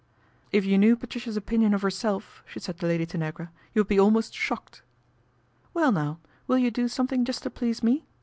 " If you knew Patricia's opinion of herself," she said to Lady Tanagra, " you would be almost shocked." ' Well, now, will you do something just to please me